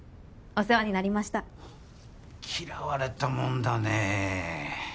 お世話になりました嫌われたもんだねえ